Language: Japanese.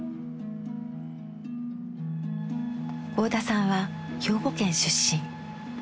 合田さんは兵庫県出身。